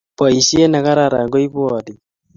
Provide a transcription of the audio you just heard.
Boishet nekararan koibu olik